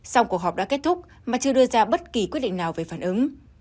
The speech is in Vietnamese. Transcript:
sau cuộc họp đã kết thúc mà chưa đưa ra bất kỳ quyết định nào về phản ứng